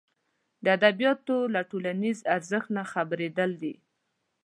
د ادبیاتو له ټولنیز ارزښت نه خبرېدل دي.